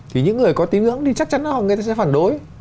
thì những người có tín ngưỡng thì chắc chắn họ sẽ phản đối